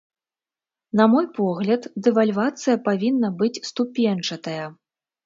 На мой погляд, дэвальвацыя павінна быць ступеньчатая.